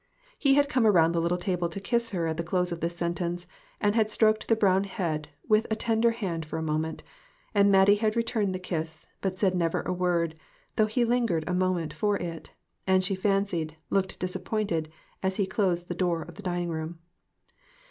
He had come around the little table to kiss her at the close of this sentence, and had stroked the brown head with a tender hand for a moment ; and Mattie had returned the kiss, but said never a word, though he lingered a moment for it, and, she fancied, looked disappointed as he closed the door of the dining room.